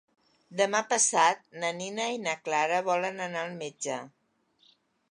Demà passat na Nina i na Clara volen anar al metge.